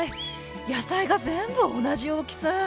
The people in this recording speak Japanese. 野菜が全部同じ大きさ！